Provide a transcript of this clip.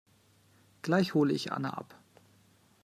Gleich hole ich Anne ab.